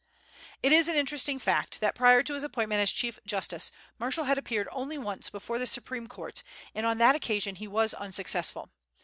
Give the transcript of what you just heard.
It is an interesting fact that, prior to his appointment as Chief Justice, Marshall had appeared only once before the Supreme Court, and on that occasion he was unsuccessful.